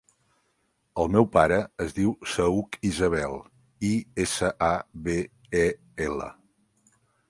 El meu pare es diu Saüc Isabel: i, essa, a, be, e, ela.